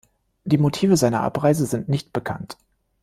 Die Motive seiner Abreise sind nicht bekannt.